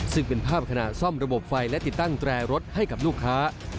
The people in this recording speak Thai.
ซึ่งเป็นภาพขณะซ่อมระบบไฟและติดตั้งแตรรถให้กับลูกค้า